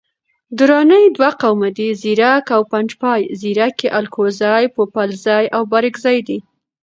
دراني دوه قومه دي، ځیرک او پنجپای. ځیرک یي الکوزي، پوپلزي او بارکزي دی